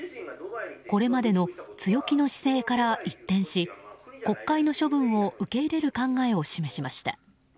これまでの強気の姿勢から一転し国会の処分を受け入れる考えを示しました。